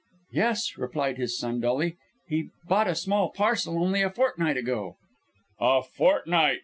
"Yes," replied his son dully; "he bought a small parcel only a fortnight ago." "A fortnight!"